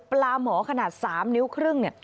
ปลาหมอขนาด๓นิ้วครึ่ง